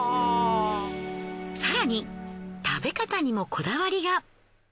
更に食べ方にもこだわりが。